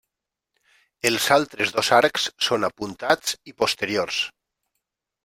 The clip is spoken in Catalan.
Els altres dos arcs són apuntats i posteriors.